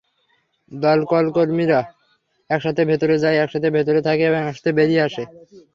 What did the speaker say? দমকলকর্মীরা একসাথে ভেতরে যায়, একসাথে ভেতরে থাকে এবং একসাথে বেরিয়ে আসে।